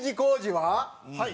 はい。